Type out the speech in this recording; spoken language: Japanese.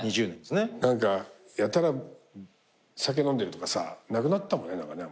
何かやたら酒飲んでるとかなくなったもんね。